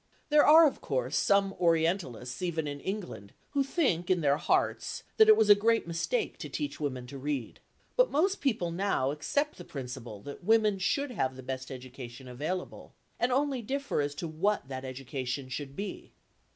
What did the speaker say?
There are, of course, some Orientalists even in England, who think in their hearts that it was a great mistake to teach women to read. But most people now accept the principle that women should have the best education available, and only differ as to what that education should be.